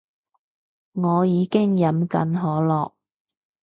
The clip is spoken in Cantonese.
我已經飲緊可樂